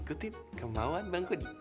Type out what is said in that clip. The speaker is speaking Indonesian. ngikutin kemauan bang kudi